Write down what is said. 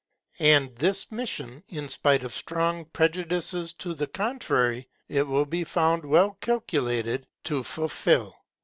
And this mission, in spite of strong prejudices to the contrary, it will be found well calculated to fulfil.